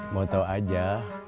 mau tau aja